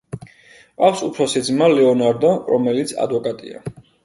ჰყავს უფროსი ძმა ლეონარდო, რომელიც ადვოკატია.